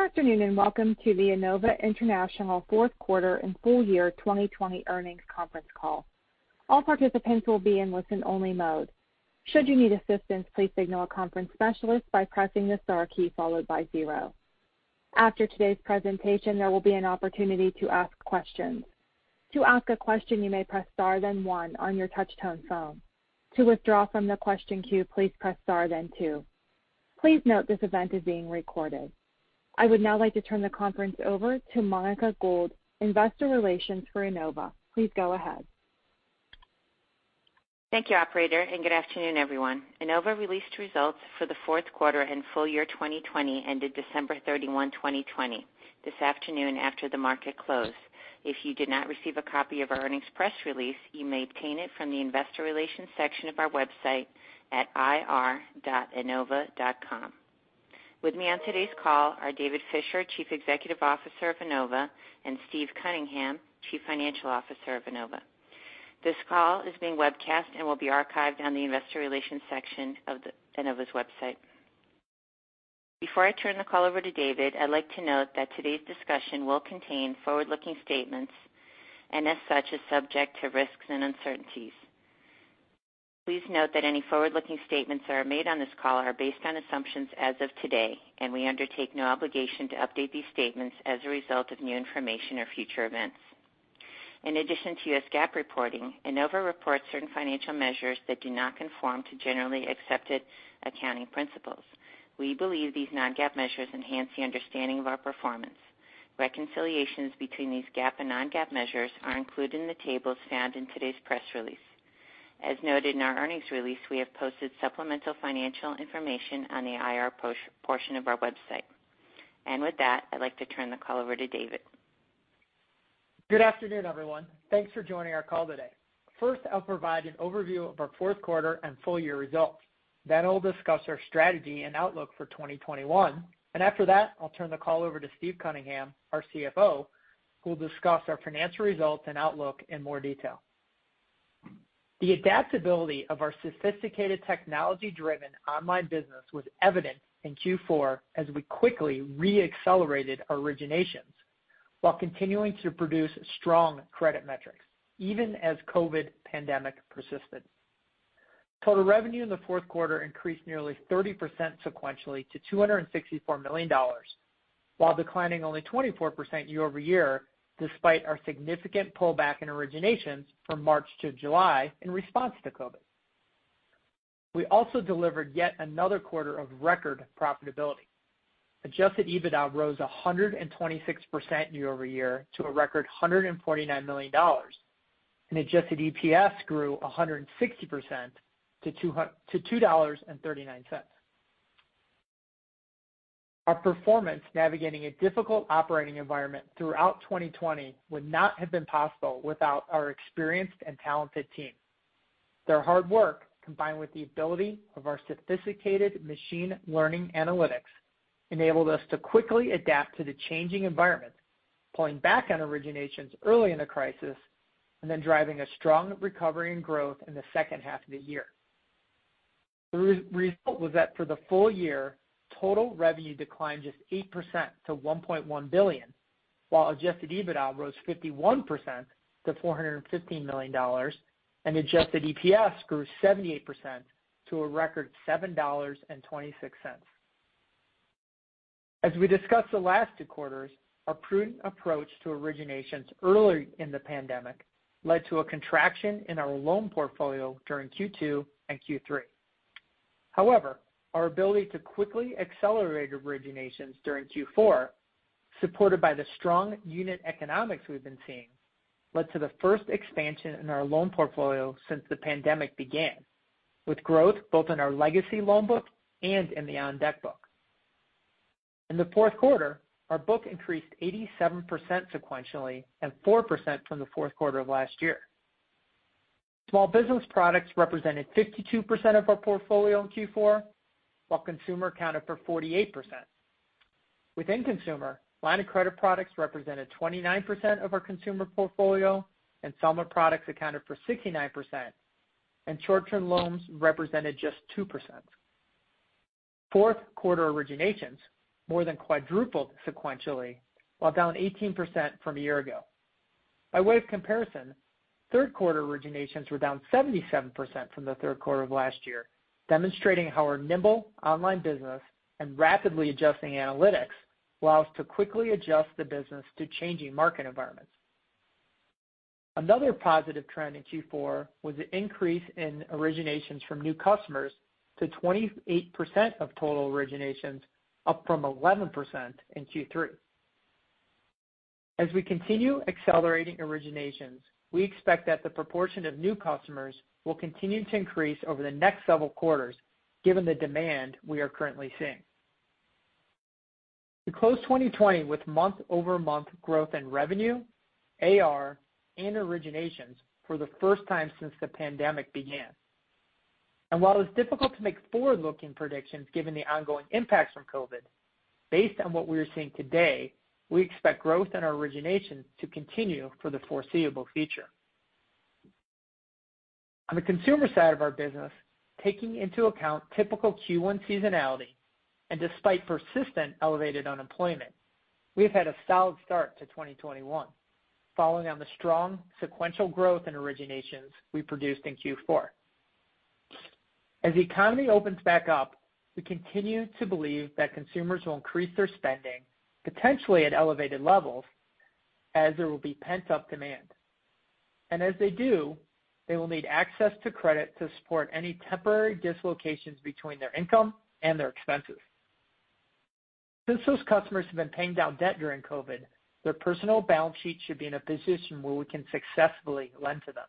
Good afternoon, and welcome to the Enova International fourth quarter and full-year 2020 earnings conference call. All participants will be in listen-only mode. Should you need assistance, please signal a conference specialist by pressing the star key followed by zero. After today's presentation, there will be an opportunity to ask questions. To ask a question, you may press star then one on your touch-tone phone. To withdraw from the question queue, please press star then two. Please note this event is being recorded. I would now like to turn the conference over to Monica Gould, investor relations for Enova. Please go ahead. Thank you, operator, and good afternoon, everyone. Enova released results for the fourth quarter and full-year 2020 ended December 31, 2020 this afternoon after the market closed. If you did not receive a copy of our earnings press release, you may obtain it from the investor relations section of our website at ir.enova.com. With me on today's call are David Fisher, Chief Executive Officer of Enova, and Steve Cunningham, Chief Financial Officer of Enova. This call is being webcast and will be archived on the Investor Relations section of Enova's website. Before I turn the call over to David, I'd like to note that today's discussion will contain forward-looking statements, and as such, is subject to risks and uncertainties. Please note that any forward-looking statements that are made on this call are based on assumptions as of today, and we undertake no obligation to update these statements as a result of new information or future events. In addition to U.S. GAAP reporting, Enova reports certain financial measures that do not conform to generally accepted accounting principles. We believe these non-GAAP measures enhance the understanding of our performance. Reconciliations between these GAAP and non-GAAP measures are included in the tables found in today's press release. As noted in our earnings release, we have posted supplemental financial information on the IR portion of our website. With that, I'd like to turn the call over to David. Good afternoon, everyone. Thanks for joining our call today. First, I'll provide an overview of our fourth quarter and full-year results. I'll discuss our strategy and outlook for 2021. After that, I'll turn the call over to Steve Cunningham, our CFO, who will discuss our financial results and outlook in more detail. The adaptability of our sophisticated technology-driven online business was evident in Q4 as we quickly re-accelerated originations while continuing to produce strong credit metrics, even as COVID pandemic persisted. Total revenue in the fourth quarter increased nearly 30% sequentially to $264 million, while declining only 24% year-over-year despite our significant pullback in originations from March to July in response to COVID. We also delivered yet another quarter of record profitability. Adjusted EBITDA rose 126% year-over-year to a record $149 million, and adjusted EPS grew 160% to $2.39. Our performance navigating a difficult operating environment throughout 2020 would not have been possible without our experienced and talented team. Their hard work, combined with the ability of our sophisticated machine learning analytics, enabled us to quickly adapt to the changing environment, pulling back on originations early in the crisis and then driving a strong recovery and growth in the second half of the year. The result was that for the full-year, total revenue declined just 8% to $1.1 billion, while adjusted EBITDA rose 51% to $415 million and adjusted EPS grew 78% to a record $7.26. As we discussed the last two quarters, our prudent approach to originations early in the pandemic led to a contraction in our loan portfolio during Q2 and Q3. However, our ability to quickly accelerate originations during Q4, supported by the strong unit economics we've been seeing, led to the first expansion in our loan portfolio since the pandemic began, with growth both in our legacy loan book and in the OnDeck book. In the fourth quarter, our book increased 87% sequentially and 4% from the fourth quarter of last year. Small business products represented 52% of our portfolio in Q4, while consumer accounted for 48%. Within consumer, line of credit products represented 29% of our consumer portfolio, installment products accounted for 69%, and short-term loans represented just 2%. Fourth quarter originations more than quadrupled sequentially, while down 18% from a year ago. By way of comparison, third quarter originations were down 77% from the third quarter of last year, demonstrating how our nimble online business and rapidly adjusting analytics allow us to quickly adjust the business to changing market environments. Another positive trend in Q4 was the increase in originations from new customers to 28% of total originations, up from 11% in Q3. As we continue accelerating originations, we expect that the proportion of new customers will continue to increase over the next several quarters given the demand we are currently seeing. We closed 2020 with month-over-month growth in revenue, AR, and originations for the first time since the pandemic began. While it's difficult to make forward-looking predictions given the ongoing impacts from COVID, based on what we are seeing today, we expect growth in our originations to continue for the foreseeable future. On the consumer side of our business, taking into account typical Q1 seasonality, and despite persistent elevated unemployment, we've had a solid start to 2021, following on the strong sequential growth in originations we produced in Q4. As the economy opens back up, we continue to believe that consumers will increase their spending, potentially at elevated levels, as there will be pent-up demand. As they do, they will need access to credit to support any temporary dislocations between their income and their expenses. Since those customers have been paying down debt during COVID, their personal balance sheet should be in a position where we can successfully lend to them.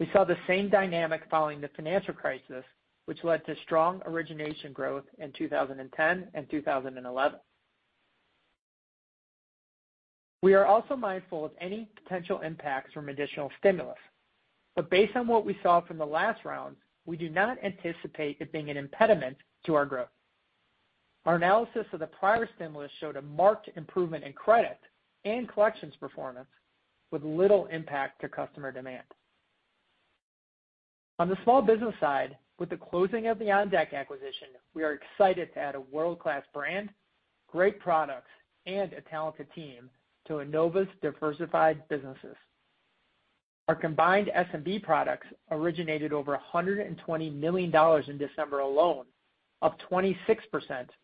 We saw the same dynamic following the financial crisis, which led to strong origination growth in 2010 and 2011. We are also mindful of any potential impacts from additional stimulus. Based on what we saw from the last round, we do not anticipate it being an impediment to our growth. Our analysis of the prior stimulus showed a marked improvement in credit and collections performance with little impact to customer demand. On the small business side, with the closing of the OnDeck acquisition, we are excited to add a world-class brand, great products, and a talented team to Enova's diversified businesses. Our combined SMB products originated over $120 million in December alone, up 26%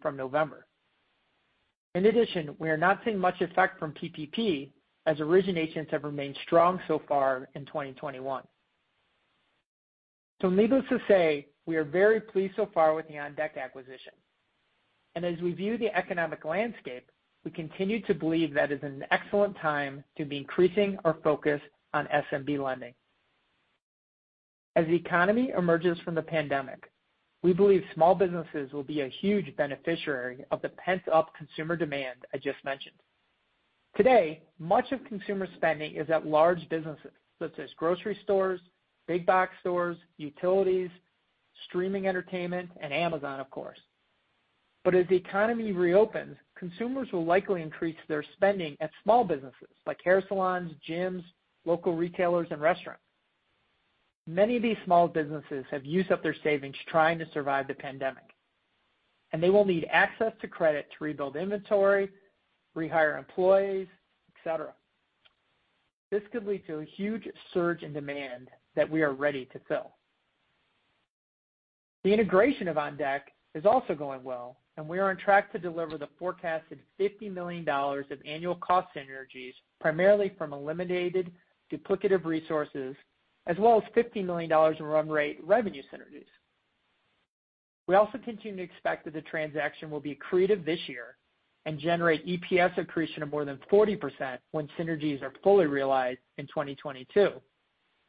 from November. In addition, we are not seeing much effect from PPP as originations have remained strong so far in 2021. Needless to say, we are very pleased so far with the OnDeck acquisition. As we view the economic landscape, we continue to believe that it is an excellent time to be increasing our focus on SMB lending. As the economy emerges from the pandemic, we believe small businesses will be a huge beneficiary of the pent-up consumer demand I just mentioned. Today, much of consumer spending is at large businesses such as grocery stores, big box stores, utilities, streaming entertainment, and Amazon, of course. As the economy reopens, consumers will likely increase their spending at small businesses like hair salons, gyms, local retailers, and restaurants. Many of these small businesses have used up their savings trying to survive the pandemic, and they will need access to credit to rebuild inventory, rehire employees, et cetera. This could lead to a huge surge in demand that we are ready to fill. The integration of OnDeck is also going well, and we are on track to deliver the forecasted $50 million of annual cost synergies, primarily from eliminated duplicative resources, as well as $50 million in run rate revenue synergies. We also continue to expect that the transaction will be accretive this year and generate EPS accretion of more than 40% when synergies are fully realized in 2022.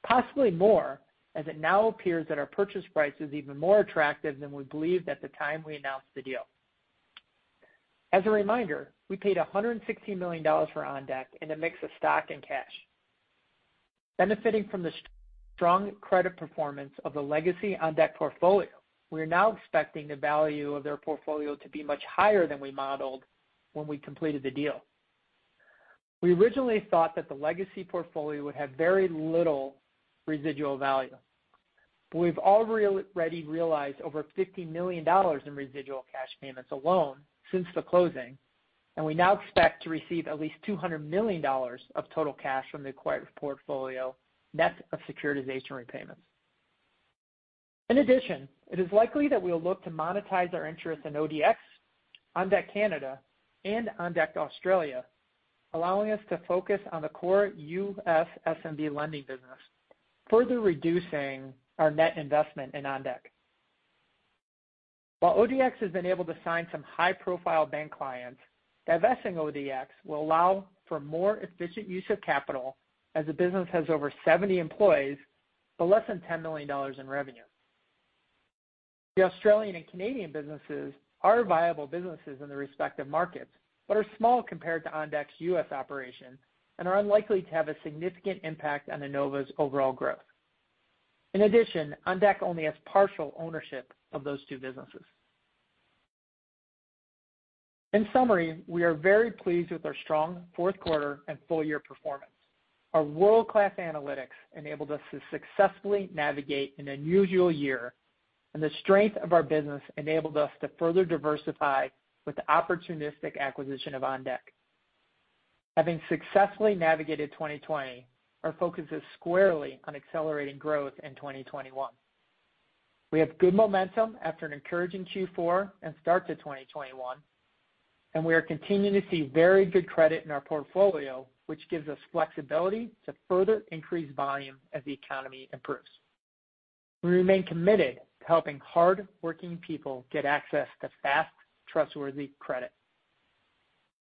Possibly more, as it now appears that our purchase price is even more attractive than we believed at the time we announced the deal. As a reminder, we paid $160 million for OnDeck in a mix of stock and cash. Benefiting from the strong credit performance of the legacy OnDeck portfolio, we are now expecting the value of their portfolio to be much higher than we modeled when we completed the deal. We originally thought that the legacy portfolio would have very little residual value. We've already realized over $50 million in residual cash payments alone since the closing, and we now expect to receive at least $200 million of total cash from the acquired portfolio, net of securitization repayments. In addition, it is likely that we'll look to monetize our interest in ODX, OnDeck Canada, and OnDeck Australia, allowing us to focus on the core U.S. SMB lending business, further reducing our net investment in OnDeck. While ODX has been able to sign some high-profile bank clients, divesting ODX will allow for more efficient use of capital as the business has over 70 employees but less than $10 million in revenue. The Australian and Canadian businesses are viable businesses in their respective markets, but are small compared to OnDeck's U.S. operation and are unlikely to have a significant impact on Enova's overall growth. In addition, OnDeck only has partial ownership of those two businesses. In summary, we are very pleased with our strong fourth quarter and full-year performance. Our world-class analytics enabled us to successfully navigate an unusual year, and the strength of our business enabled us to further diversify with the opportunistic acquisition of OnDeck. Having successfully navigated 2020, our focus is squarely on accelerating growth in 2021. We have good momentum after an encouraging Q4 and start to 2021. We are continuing to see very good credit in our portfolio, which gives us flexibility to further increase volume as the economy improves. We remain committed to helping hard-working people get access to fast, trustworthy credit.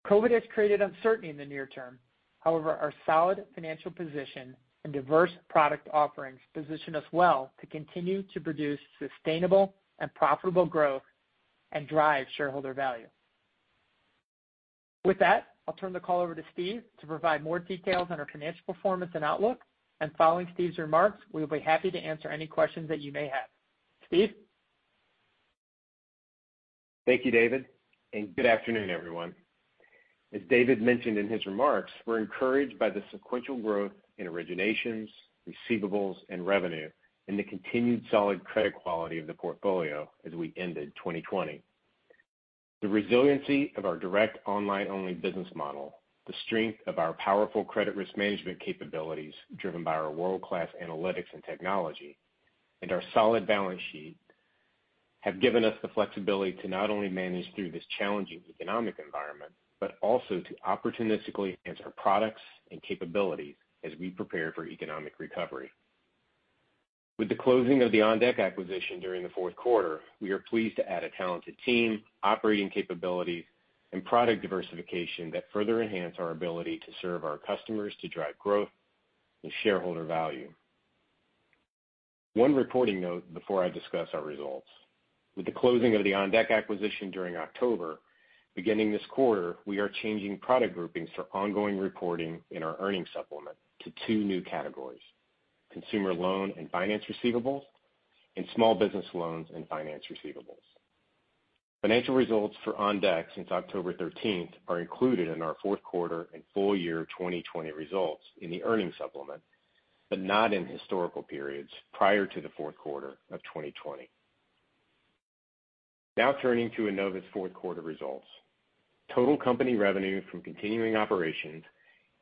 COVID has created uncertainty in the near-term. However, our solid financial position and diverse product offerings position us well to continue to produce sustainable and profitable growth and drive shareholder value. With that, I'll turn the call over to Steve to provide more details on our financial performance and outlook, and following Steve's remarks, we will be happy to answer any questions that you may have. Steve? Thank you, David. Good afternoon, everyone. As David mentioned in his remarks, we're encouraged by the sequential growth in originations, receivables, and revenue, and the continued solid credit quality of the portfolio as we ended 2020. The resiliency of our direct online-only business model, the strength of our powerful credit risk management capabilities driven by our world-class analytics and technology, and our solid balance sheet have given us the flexibility to not only manage through this challenging economic environment, but also to opportunistically enhance our products and capabilities as we prepare for economic recovery. With the closing of the OnDeck acquisition during the fourth quarter, we are pleased to add a talented team, operating capabilities, and product diversification that further enhance our ability to serve our customers to drive growth and shareholder value. One reporting note before I discuss our results. With the closing of the OnDeck acquisition during October, beginning this quarter, we are changing product groupings for ongoing reporting in our earnings supplement to two new categories: consumer loan and finance receivables, and small business loans and finance receivables. Financial results for OnDeck since October 13th are included in our fourth quarter and full-year 2020 results in the earnings supplement, but not in historical periods prior to the fourth quarter of 2020. Turning to Enova's fourth quarter results. Total company revenue from continuing operations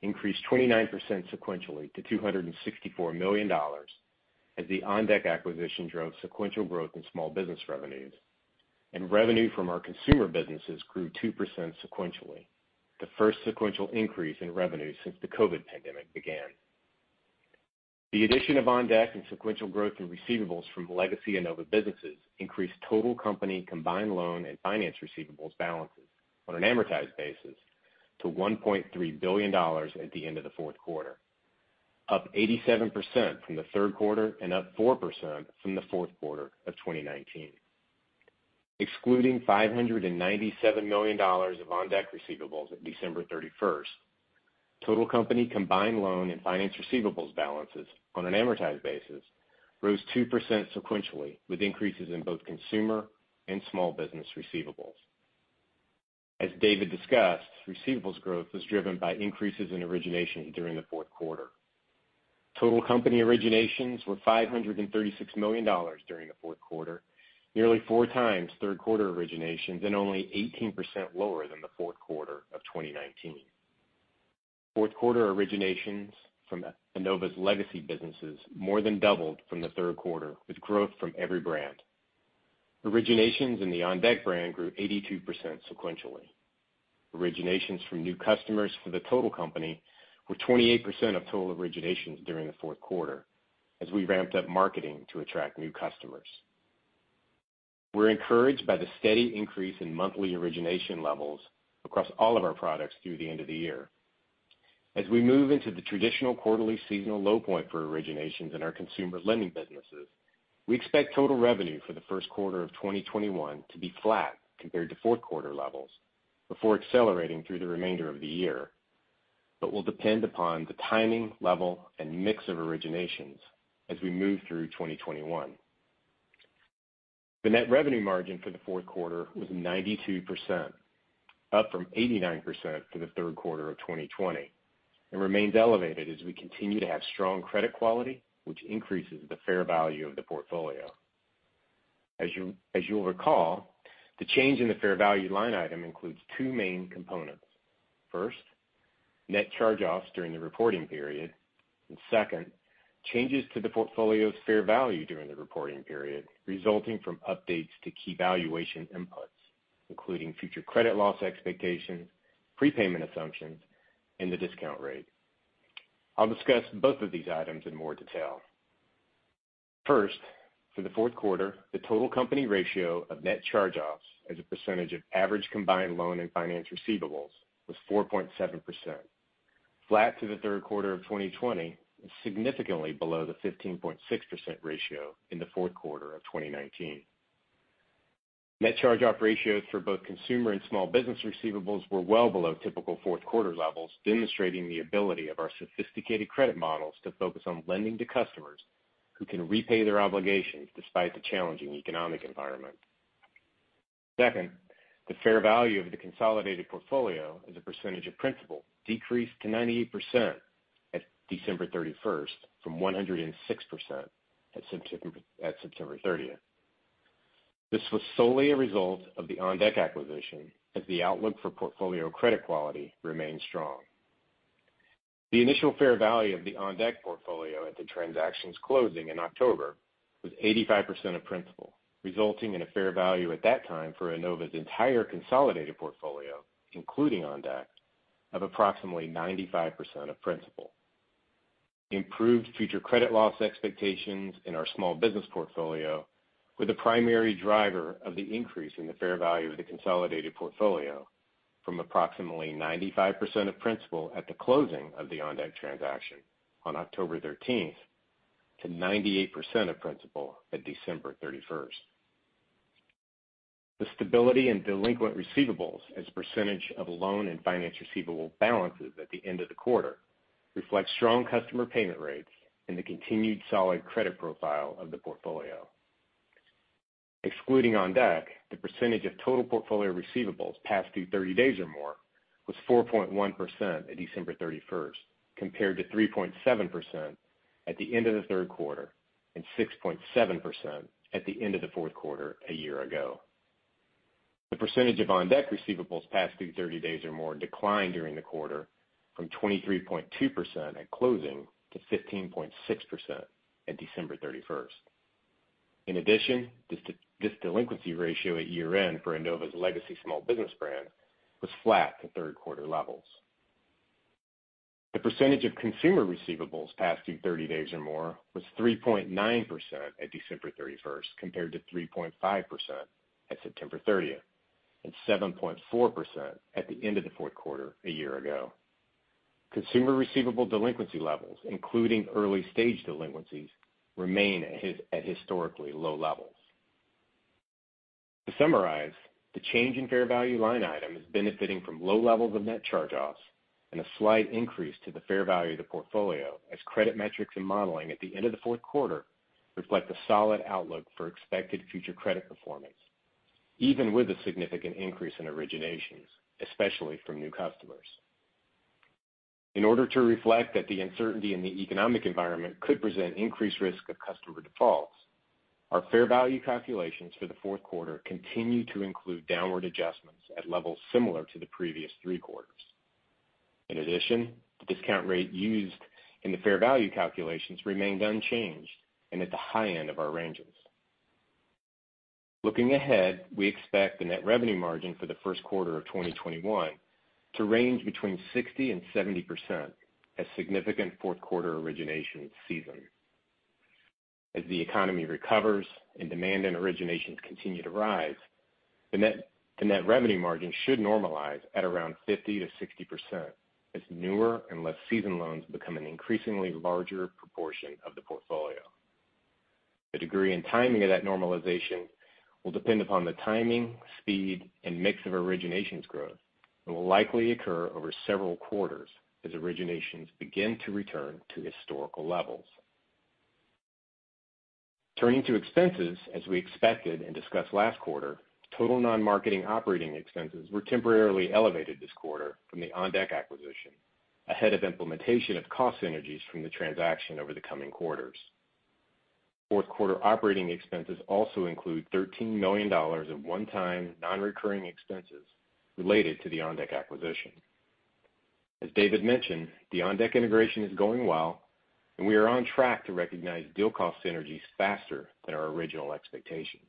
increased 29% sequentially to $264 million as the OnDeck acquisition drove sequential growth in small business revenues, and revenue from our consumer businesses grew 2% sequentially. The first sequential increase in revenue since the COVID pandemic began. The addition of OnDeck and sequential growth in receivables from legacy Enova businesses increased total company combined loan and finance receivables balances on an amortized basis to $1.3 billion at the end of the fourth quarter, up 87% from the third quarter and up 4% from the fourth quarter of 2019. Excluding $597 million of OnDeck receivables at December 31st, total company combined loan and finance receivables balances on an amortized basis rose 2% sequentially, with increases in both consumer and small business receivables. As David discussed, receivables growth was driven by increases in origination during the fourth quarter. Total company originations were $536 million during the fourth quarter, nearly 4x third quarter originations and only 18% lower than the fourth quarter of 2019. Fourth quarter originations from Enova's legacy businesses more than doubled from the third quarter, with growth from every brand. Originations in the OnDeck brand grew 82% sequentially. Originations from new customers for the total company were 28% of total originations during the fourth quarter as we ramped up marketing to attract new customers. We're encouraged by the steady increase in monthly origination levels across all of our products through the end of the year. As we move into the traditional quarterly seasonal low point for originations in our consumer lending businesses, we expect total revenue for the first quarter of 2021 to be flat compared to fourth quarter levels before accelerating through the remainder of the year. Will depend upon the timing, level, and mix of originations as we move through 2021. The net revenue margin for the fourth quarter was 92%, up from 89% for the third quarter of 2020, and remains elevated as we continue to have strong credit quality, which increases the fair value of the portfolio. As you'll recall, the change in the fair value line item includes two main components. First, net charge-offs during the reporting period, and second, changes to the portfolio's fair value during the reporting period, resulting from updates to key valuation inputs, including future credit loss expectations, prepayment assumptions, and the discount rate. I'll discuss both of these items in more detail. First, for the fourth quarter, the total company ratio of net charge-offs as a percentage of average combined loan and finance receivables was 4.7%, flat to the third quarter of 2020, and significantly below the 15.6% ratio in the fourth quarter of 2019. Net charge-off ratios for both consumer and small business receivables were well below typical fourth quarter levels, demonstrating the ability of our sophisticated credit models to focus on lending to customers who can repay their obligations despite the challenging economic environment. Second, the fair value of the consolidated portfolio as a percentage of principal decreased to 98% at December 31st from 106% at September 30th. This was solely a result of the OnDeck acquisition, as the outlook for portfolio credit quality remained strong. The initial fair value of the OnDeck portfolio at the transaction's closing in October was 85% of principal, resulting in a fair value at that time for Enova's entire consolidated portfolio, including OnDeck, of approximately 95% of principal. Improved future credit loss expectations in our small business portfolio were the primary driver of the increase in the fair value of the consolidated portfolio from approximately 95% of principal at the closing of the OnDeck transaction on October 13th to 98% of principal at December 31st. The stability in delinquent receivables as a percentage of loan and finance receivable balances at the end of the quarter. Reflects strong customer payment rates and the continued solid credit profile of the portfolio. Excluding OnDeck, the percentage of total portfolio receivables past due 30 days or more was 4.1% at December 31st, compared to 3.7% at the end of the third quarter and 6.7% at the end of the fourth quarter a year ago. The percentage of OnDeck receivables past due 30 days or more declined during the quarter from 23.2% at closing to 15.6% at December 31st. In addition, this delinquency ratio at year-end for Enova's legacy small business brand was flat to third quarter levels. The percentage of consumer receivables past due 30 days or more was 3.9% at December 31st, compared to 3.5% at September 30th, and 7.4% at the end of the fourth quarter a year ago. Consumer receivable delinquency levels, including early-stage delinquencies, remain at historically low levels. To summarize, the change in fair value line item is benefiting from low levels of net charge-offs and a slight increase to the fair value of the portfolio as credit metrics and modeling at the end of the fourth quarter reflect a solid outlook for expected future credit performance, even with a significant increase in originations, especially from new customers. In order to reflect that the uncertainty in the economic environment could present increased risk of customer defaults, our fair value calculations for the fourth quarter continue to include downward adjustments at levels similar to the previous three quarters. In addition, the discount rate used in the fair value calculations remained unchanged and at the high end of our ranges. Looking ahead, we expect the net revenue margin for the first quarter of 2021 to range between 60% and 70% as significant fourth quarter originations season. As the economy recovers and demand and originations continue to rise, the net revenue margin should normalize at around 50%-60% as newer and less seasoned loans become an increasingly larger proportion of the portfolio. The degree and timing of that normalization will depend upon the timing, speed, and mix of originations growth and will likely occur over several quarters as originations begin to return to historical levels. Turning to expenses, as we expected and discussed last quarter, total non-marketing operating expenses were temporarily elevated this quarter from the OnDeck acquisition ahead of implementation of cost synergies from the transaction over the coming quarters. Fourth quarter operating expenses also include $13 million of one-time, non-recurring expenses related to the OnDeck acquisition. As David mentioned, the OnDeck integration is going well, and we are on track to recognize deal cost synergies faster than our original expectations.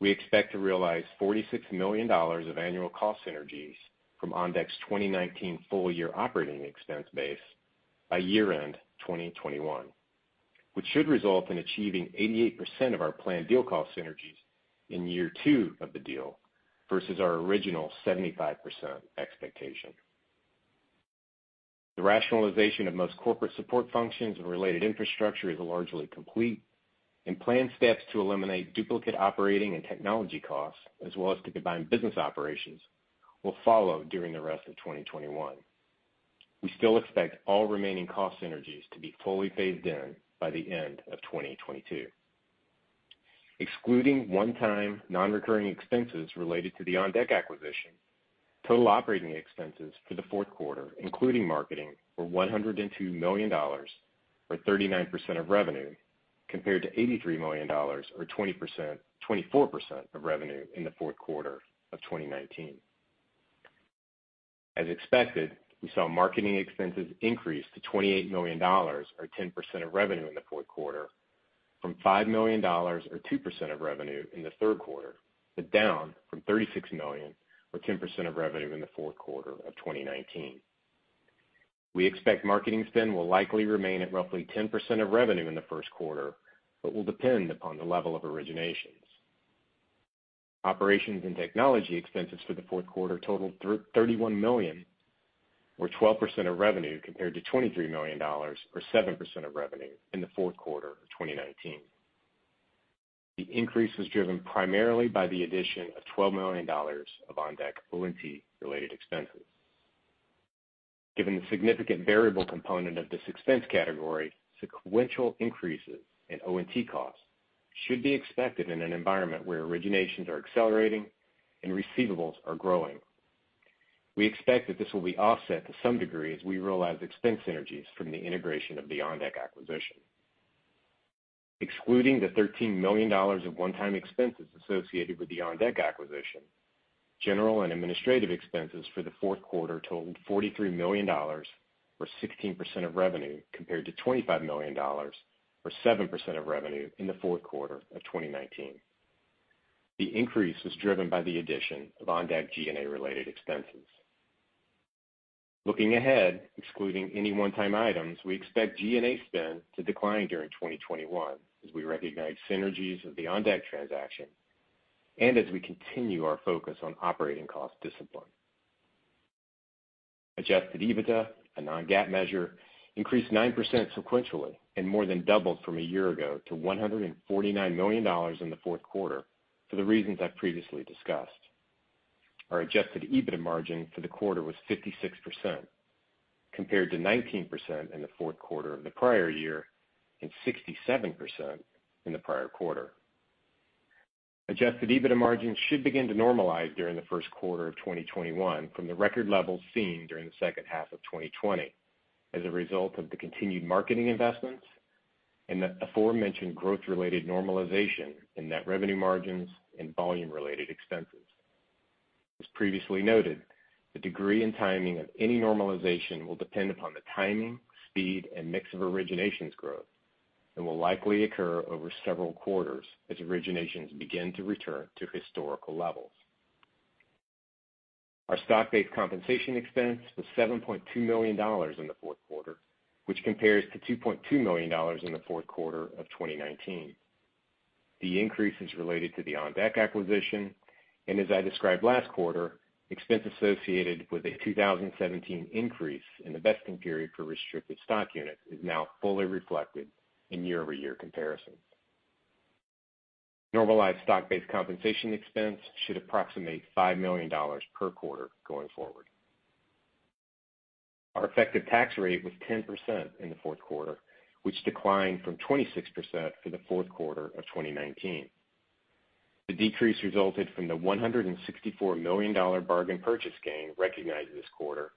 We expect to realize $46 million of annual cost synergies from OnDeck's 2019 full-year operating expense base by year-end 2021, which should result in achieving 88% of our planned deal cost synergies in year two of the deal versus our original 75% expectation. The rationalization of most corporate support functions and related infrastructure is largely complete. Planned steps to eliminate duplicate operating and technology costs, as well as to combine business operations, will follow during the rest of 2021. We still expect all remaining cost synergies to be fully phased in by the end of 2022. Excluding one-time, non-recurring expenses related to the OnDeck acquisition, total operating expenses for the fourth quarter, including marketing, were $102 million or 39% of revenue, compared to $83 million or 24% of revenue in the fourth quarter of 2019. As expected, we saw marketing expenses increase to $28 million or 10% of revenue in the fourth quarter from $5 million or 2% of revenue in the third quarter, down from $36 million or 10% of revenue in the fourth quarter of 2019. We expect marketing spend will likely remain at roughly 10% of revenue in the first quarter but will depend upon the level of originations. Operations and technology expenses for the fourth quarter totaled $31 million or 12% of revenue, compared to $23 million or 7% of revenue in the fourth quarter of 2019. The increase was driven primarily by the addition of $12 million of OnDeck O&T-related expenses. Given the significant variable component of this expense category, sequential increases in O&T costs should be expected in an environment where originations are accelerating and receivables are growing. We expect that this will be offset to some degree as we realize expense synergies from the integration of the OnDeck acquisition. Excluding the $13 million of one-time expenses associated with the OnDeck acquisition, general and administrative expenses for the fourth quarter totaled $43 million, or 16% of revenue, compared to $25 million or 7% of revenue in the fourth quarter of 2019. The increase was driven by the addition of OnDeck G&A-related expenses. Looking ahead, excluding any one-time items, we expect G&A spend to decline during 2021 as we recognize synergies of the OnDeck transaction and as we continue our focus on operating cost discipline. Adjusted EBITDA, a non-GAAP measure, increased 9% sequentially and more than doubled from a year ago to $149 million in the fourth quarter for the reasons I previously discussed. Our adjusted EBITDA margin for the quarter was 56%, compared to 19% in the fourth quarter of the prior year and 67% in the prior quarter. Adjusted EBITDA margin should begin to normalize during the first quarter of 2021 from the record levels seen during the second half of 2020 as a result of the continued marketing investments and the aforementioned growth-related normalization in net revenue margins and volume-related expenses. As previously noted, the degree and timing of any normalization will depend upon the timing, speed, and mix of originations growth and will likely occur over several quarters as originations begin to return to historical levels. Our stock-based compensation expense was $7.2 million in the fourth quarter, which compares to $2.2 million in the fourth quarter of 2019. The increase is related to the OnDeck acquisition, and as I described last quarter, expense associated with a 2017 increase in the vesting period for restricted stock units is now fully reflected in year-over-year comparisons. Normalized stock-based compensation expense should approximate $5 million per quarter going forward. Our effective tax rate was 10% in the fourth quarter, which declined from 26% for the fourth quarter of 2019. The decrease resulted from the $164 million bargain purchase gain recognized this quarter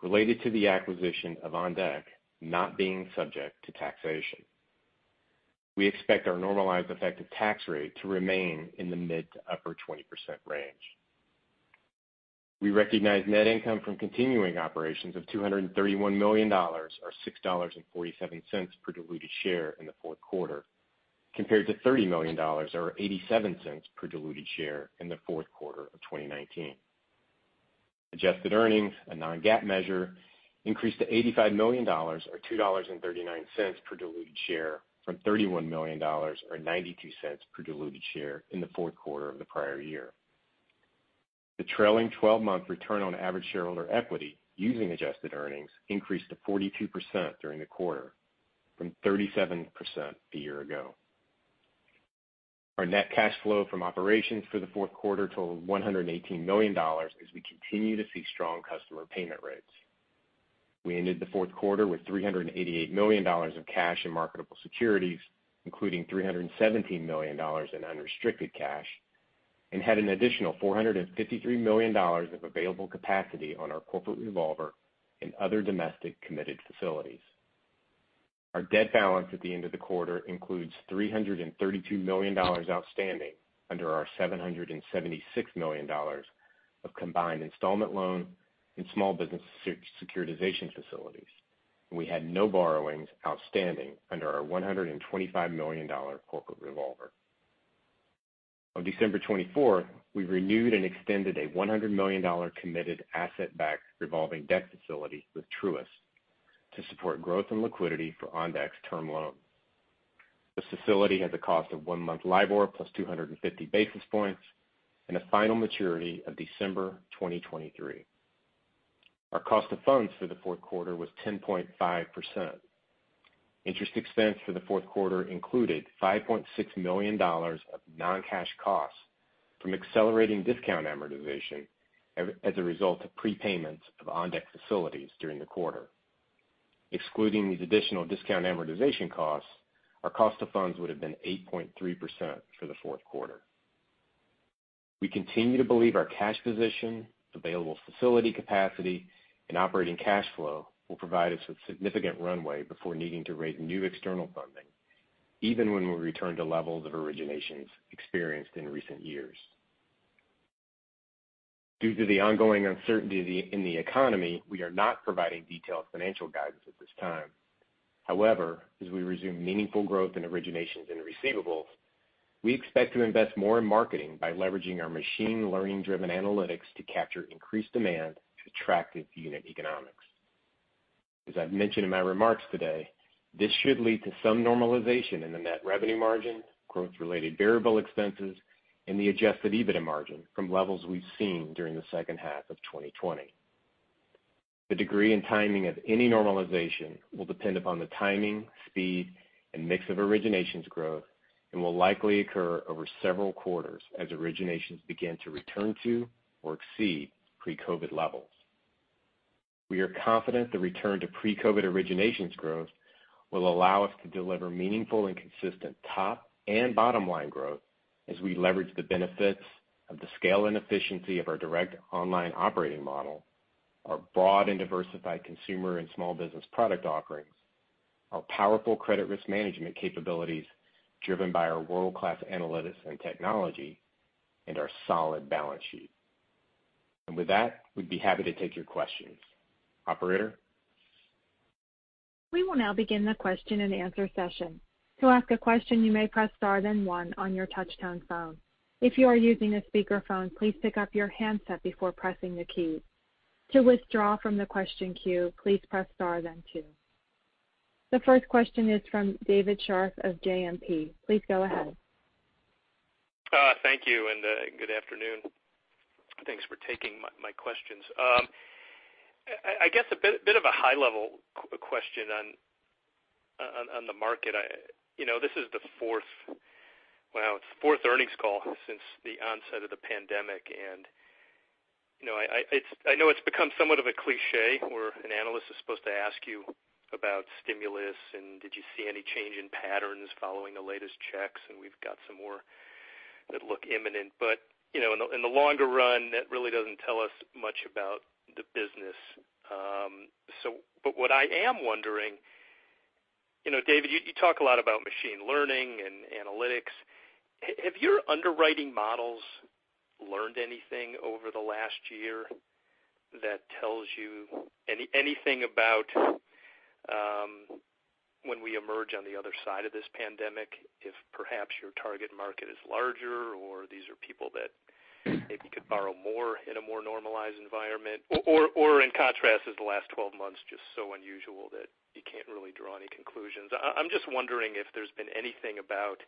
related to the acquisition of OnDeck not being subject to taxation. We expect our normalized effective tax rate to remain in the mid to upper 20% range. We recognized net income from continuing operations of $231 million or $6.47 per diluted share in the fourth quarter, compared to $30 million or $0.87 per diluted share in the fourth quarter of 2019. Adjusted earnings, a non-GAAP measure, increased to $85 million or $2.39 per diluted share from $31 million or $0.92 per diluted share in the fourth quarter of the prior year. The trailing 12-month return on average shareholder equity using adjusted earnings increased to 42% during the quarter from 37% a year ago. Our net cash flow from operations for the fourth quarter totaled $118 million as we continue to see strong customer payment rates. We ended the fourth quarter with $388 million of cash and marketable securities, including $317 million in unrestricted cash, and had an additional $453 million of available capacity on our corporate revolver and other domestic committed facilities. Our debt balance at the end of the quarter includes $332 million outstanding under our $776 million of combined installment loan and small business securitization facilities. We had no borrowings outstanding under our $125 million corporate revolver. On December 24th, we renewed and extended a $100 million committed asset-backed revolving debt facility with Truist to support growth and liquidity for OnDeck's term loans. This facility has a cost of one-month LIBOR +250 basis points and a final maturity of December 2023. Our cost of funds for the fourth quarter was 10.5%. Interest expense for the fourth quarter included $5.6 million of non-cash costs from accelerating discount amortization as a result of prepayments of OnDeck facilities during the quarter. Excluding these additional discount amortization costs, our cost of funds would've been 8.3% for the fourth quarter. We continue to believe our cash position, available facility capacity, and operating cash flow will provide us with significant runway before needing to raise new external funding, even when we return to levels of originations experienced in recent years. Due to the ongoing uncertainty in the economy, we are not providing detailed financial guidance at this time. As we resume meaningful growth in originations and receivables, we expect to invest more in marketing by leveraging our machine learning-driven analytics to capture increased demand to attractive unit economics. As I've mentioned in my remarks today, this should lead to some normalization in the net revenue margin, growth-related variable expenses, and the adjusted EBITDA margin from levels we've seen during the second half of 2020. The degree and timing of any normalization will depend upon the timing, speed, and mix of originations growth and will likely occur over several quarters as originations begin to return to or exceed pre-COVID levels. We are confident the return to pre-COVID originations growth will allow us to deliver meaningful and consistent top and bottom-line growth as we leverage the benefits of the scale and efficiency of our direct online operating model, our broad and diversified consumer and small business product offerings, our powerful credit risk management capabilities driven by our world-class analytics and technology, and our solid balance sheet. With that, we'd be happy to take your questions. Operator? We will now begin the question-and-answer session. To ask a question, you may press star then one on your touch-tone phone. If you are using the speaker phone, please pick up your handset before pressing the key. To withdraw from the question queue, please press star then two. The first question is from David Scharf of JMP. Please go ahead. Thank you, and good afternoon. Thanks for taking my questions. I guess a bit of a high-level question on the market. This is the fourth earnings call since the onset of the pandemic, and I know it's become somewhat of a cliché where an analyst is supposed to ask you about stimulus and did you see any change in patterns following the latest checks, and we've got some more that look imminent. In the longer run, that really doesn't tell us much about the business. What I am wondering, David, you talk a lot about machine learning and analytics. Have your underwriting models learned anything over the last year that tells you anything about when we emerge on the other side of this pandemic? If perhaps your target market is larger, or these are people that maybe could borrow more in a more normalized environment? In contrast, is the last 12 months just so unusual that you can't really draw any conclusions? I'm just wondering if there's been anything about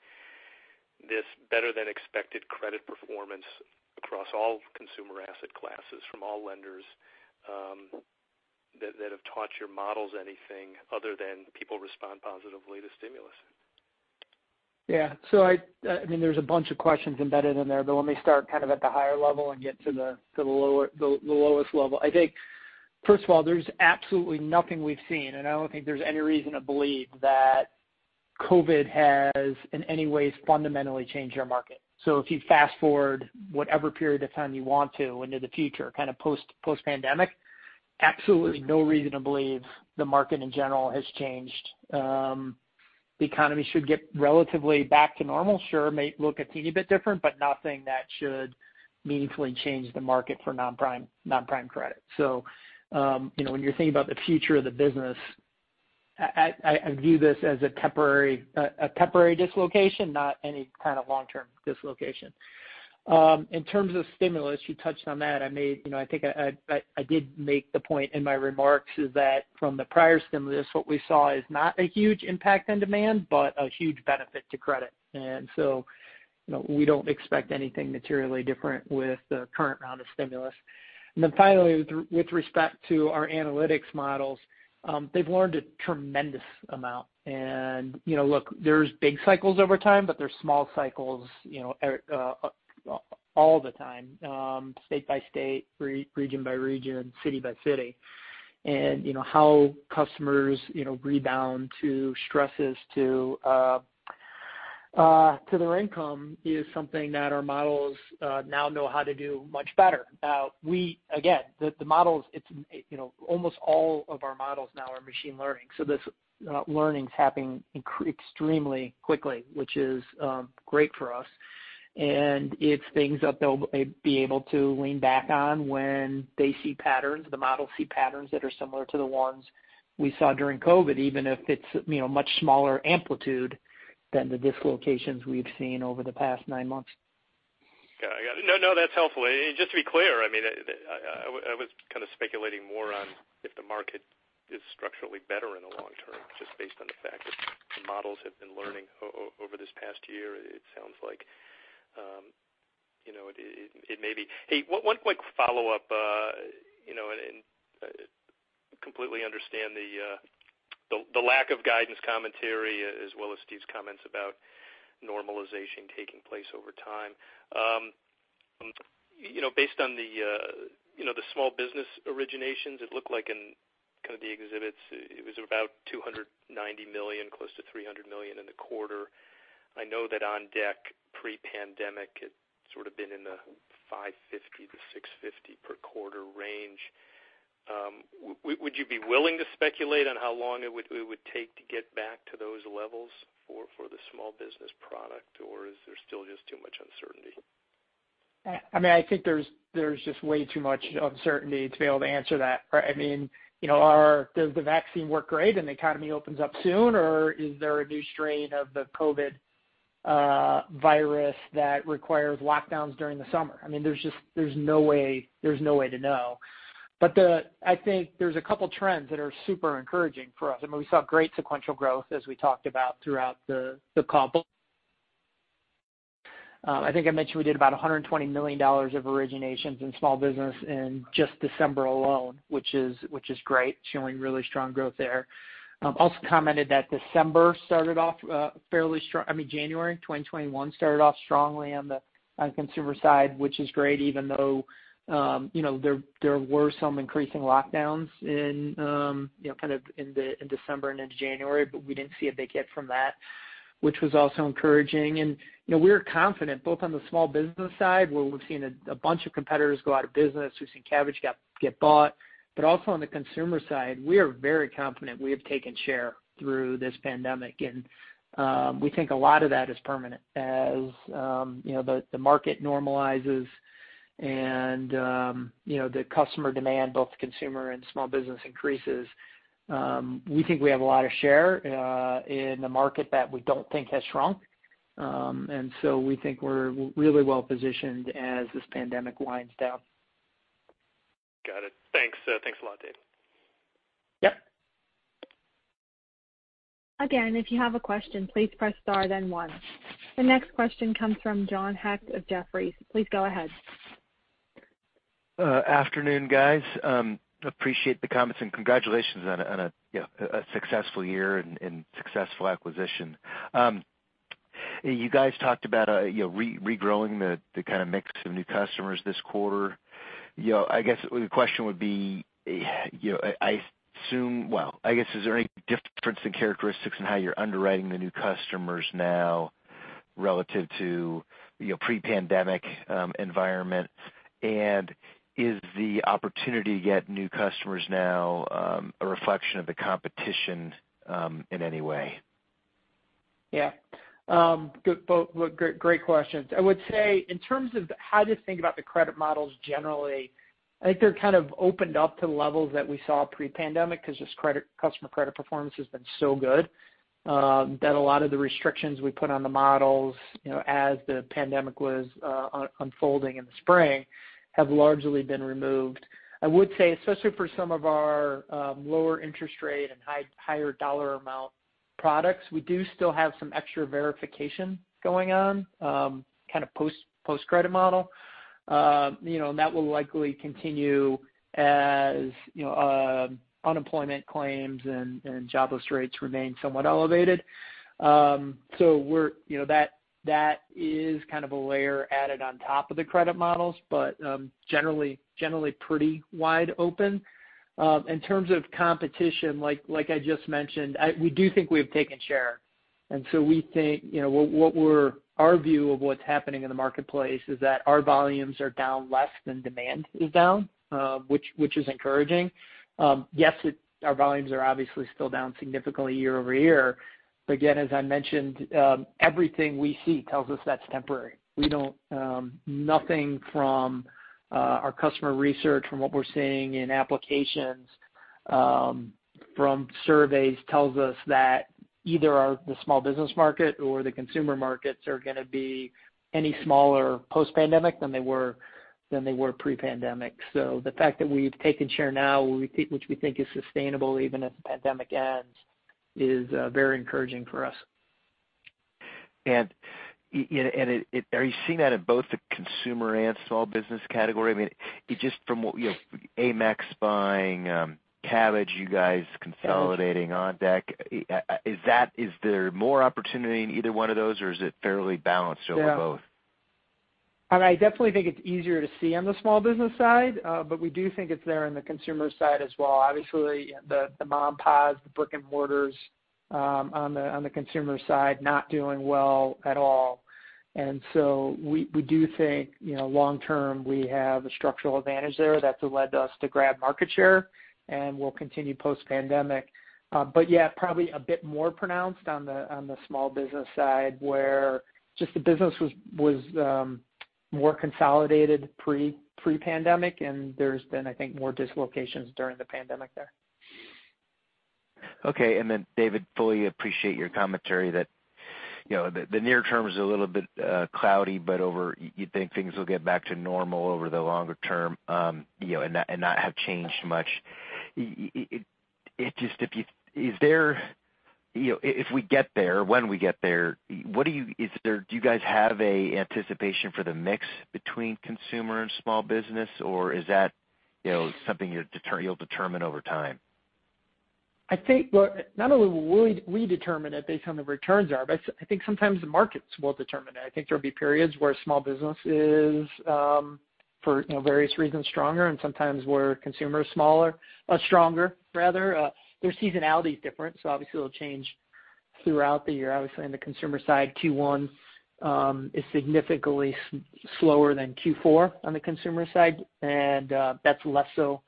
this better-than-expected credit performance across all consumer asset classes from all lenders that have taught your models anything other than people respond positively to stimulus. There's a bunch of questions embedded in there, but let me start at the higher level and get to the lowest level. I think, first of all, there's absolutely nothing we've seen, and I don't think there's any reason to believe that COVID has in any ways fundamentally changed our market. If you fast-forward whatever period of time you want to into the future, post-pandemic, absolutely no reason to believe the market in general has changed. The economy should get relatively back to normal. Sure, it may look a teeny bit different, but nothing that should meaningfully change the market for non-prime credit. When you're thinking about the future of the business, I view this as a temporary dislocation, not any kind of long-term dislocation. In terms of stimulus, you touched on that. I think I did make the point in my remarks is that from the prior stimulus, what we saw is not a huge impact on demand, but a huge benefit to credit. We don't expect anything materially different with the current round of stimulus. Finally, with respect to our analytics models, they've learned a tremendous amount. Look, there's big cycles over time, but there's small cycles all the time. State by state, region by region, city by city. How customers rebound to stresses to their income is something that our models now know how to do much better. Again, almost all of our models now are machine learning. This learning's happening extremely quickly, which is great for us. It's things that they'll be able to lean back on when they see patterns. The models see patterns that are similar to the ones we saw during COVID, even if it's much smaller amplitude than the dislocations we've seen over the past nine months. Got it. No, that's helpful. Just to be clear, I was kind of speculating more on if the market is structurally better in the long-term, just based on the fact that the models have been learning over this past year. It sounds like it may be. Hey, one quick follow-up. Completely understand the lack of guidance commentary as well as Steve's comments about normalization taking place over time. Based on the small business originations, it looked like in the exhibits, it was about $290 million, close to $300 million in the quarter. I know that OnDeck pre-pandemic, it had sort of been in the $550 million to $650 million per quarter range. Would you be willing to speculate on how long it would take to get back to those levels for the small business product, or is there still just too much uncertainty? I think there's just way too much uncertainty to be able to answer that. Does the vaccine work great and the economy opens up soon, or is there a new strain of the COVID virus that requires lockdowns during the summer? There's no way to know. I think there's a couple trends that are super encouraging for us. We saw great sequential growth as we talked about throughout the call. I think I mentioned we did about $120 million of originations in small business in just December alone, which is great. Showing really strong growth there. Also commented that January 2021 started off strongly on the consumer side, which is great, even though there were some increasing lockdowns in December and into January. We didn't see a big hit from that, which was also encouraging. We're confident both on the small business side, where we've seen a bunch of competitors go out of business. We've seen Kabbage get bought. Also on the consumer side, we are very confident we have taken share through this pandemic, and we think a lot of that is permanent. As the market normalizes and the customer demand, both consumer and small business increases, we think we have a lot of share in the market that we don't think has shrunk. We think we're really well-positioned as this pandemic winds down. Got it. Thanks a lot, David. Yep. Again, if you have a question, please press star then one. The next question comes from John Hecht of Jefferies. Please go ahead. Afternoon, guys. Appreciate the comments. Congratulations on a successful year and successful acquisition. You guys talked about regrowing the kind of mix of new customers this quarter. I guess the question would be: is there any difference in characteristics in how you're underwriting the new customers now relative to your pre-pandemic environment? Is the opportunity to get new customers now a reflection of the competition in any way? Yeah. Both great questions. I would say in terms of how to think about the credit models generally, I think they're kind of opened up to levels that we saw pre-pandemic because customer credit performance has been so good that a lot of the restrictions we put on the models as the pandemic was unfolding in the spring have largely been removed. I would say, especially for some of our lower interest rate and higher dollar amount products, we do still have some extra verification going on, kind of post-credit model. That will likely continue as unemployment claims and jobless rates remain somewhat elevated. That is kind of a layer added on top of the credit models, but generally pretty wide open. In terms of competition, like I just mentioned, we do think we have taken share. Our view of what's happening in the marketplace is that our volumes are down less than demand is down, which is encouraging. Our volumes are obviously still down significantly year-over-year. Again, as I mentioned, everything we see tells us that's temporary. Nothing from our customer research, from what we're seeing in applications, from surveys tells us that either the small business market or the consumer markets are going to be any smaller post-pandemic than they were pre-pandemic. The fact that we've taken share now, which we think is sustainable even as the pandemic ends, is very encouraging for us. Are you seeing that in both the consumer and small business category? I mean, just from what Amex buying Kabbage, you guys consolidating OnDeck, is there more opportunity in either one of those or is it fairly balanced over both? I definitely think it's easier to see on the small business side. We do think it's there in the consumer side as well. Obviously, the mom-and-pops, the brick-and-mortars on the consumer side not doing well at all. We do think, long-term, we have a structural advantage there that's led us to grab market share and will continue post-pandemic. Yeah, probably a bit more pronounced on the small business side, where just the business was more consolidated pre-pandemic, and there's been, I think, more dislocations during the pandemic there. Okay. David, fully appreciate your commentary that the near-term is a little bit cloudy, but you think things will get back to normal over the longer-term and not have changed much. If we get there, when we get there, do you guys have an anticipation for the mix between consumer and small business? Is that something you'll determine over time? I think not only will we determine it based on the returns are, but I think sometimes the markets will determine it. I think there'll be periods where small business is for various reasons stronger and sometimes where consumer is smaller, stronger rather. Obviously it'll change throughout the year. Obviously on the consumer side, Q1 is significantly slower than Q4 on the consumer side, and that's less so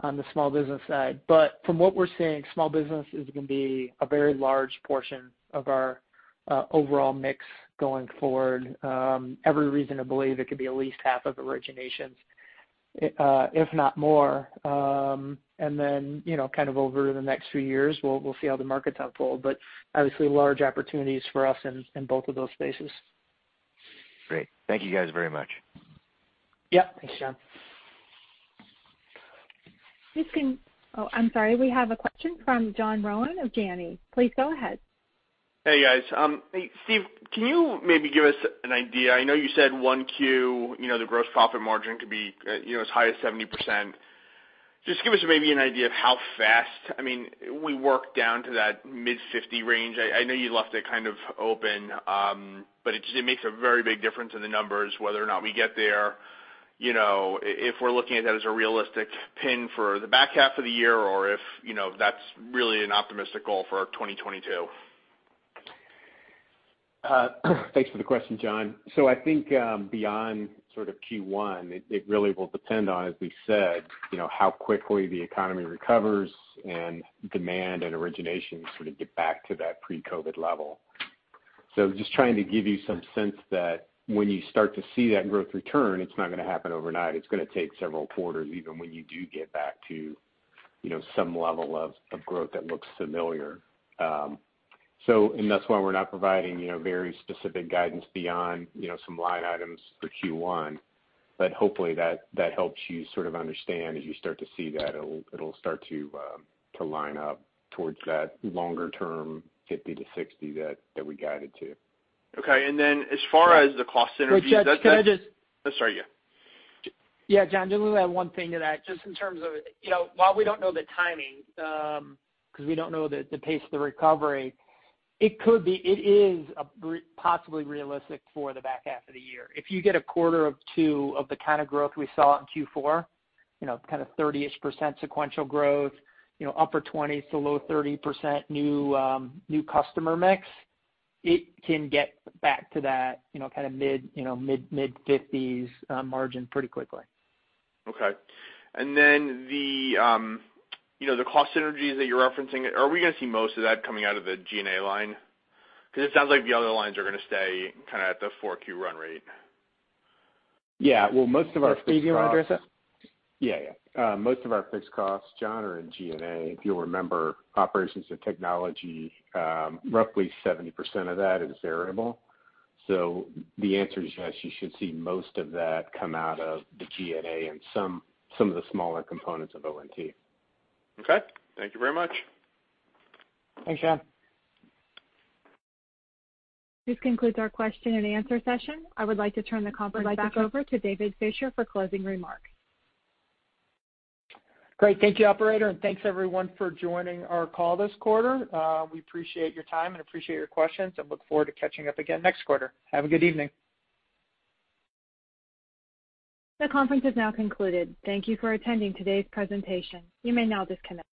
on the small business side. From what we're seeing, small business is going to be a very large portion of our overall mix going forward. Every reason to believe it could be at least half of originations if not more. Kind of over the next few years, we'll see how the markets unfold, obviously large opportunities for us in both of those spaces. Great. Thank you guys very much. Yeah. Thanks, John. Oh, I'm sorry. We have a question from John Rowan of Janney. Please go ahead. Hey, guys. Steve, can you maybe give us an idea? I know you said 1Q the gross profit margin could be as high as 70%. Just give us maybe an idea of how fast. I mean, we worked down to that mid-50 range. I know you left it kind of open, but it makes a very big difference in the numbers whether or not we get there. If we're looking at that as a realistic pin for the back half of the year or if that's really an optimistic goal for our 2022. Thanks for the question, John. I think beyond sort of Q1, it really will depend on, as we said how quickly the economy recovers and demand and origination sort of get back to that pre-COVID level. Just trying to give you some sense that when you start to see that growth return, it's not going to happen overnight. It's going to take several quarters, even when you do get back to some level of growth that looks familiar. That's why we're not providing very specific guidance beyond some line items for Q1. Hopefully that helps you sort of understand as you start to see that it'll start to line up towards that longer-term 50%-60% that we guided to. Okay. As far as the cost synergies- Can I just- Sorry, yeah. Yeah, John, just want to add one thing to that, just in terms of while we don't know the timing because we don't know the pace of the recovery, it is possibly realistic for the back half of the year. If you get a quarter of two of the kind of growth we saw in Q4, kind of 30%-ish sequential growth, upper 20s to low 30% new customer mix, it can get back to that kind of mid-50s margin pretty quickly. Okay. The cost synergies that you're referencing, are we going to see most of that coming out of the G&A line? Because it sounds like the other lines are going to stay kind of at the 4Q run rate. Yeah. Well, most of our fixed costs- Steve, do you want to address that? Yeah. Most of our fixed costs, John, are in G&A. If you'll remember, operations and technology roughly 70% of that is variable. The answer is yes, you should see most of that come out of the G&A and some of the smaller components of O&T. Okay. Thank you very much. Thanks, John. This concludes our question-and-answer session. I would like to turn the conference back over to David Fisher for closing remarks. Great. Thank you, operator. Thanks everyone for joining our call this quarter. We appreciate your time and appreciate your questions and look forward to catching up again next quarter. Have a good evening. The conference is now concluded. Thank you for attending today's presentation. You may now disconnect.